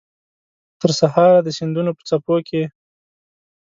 ترسهاره د سیندونو په څپو کې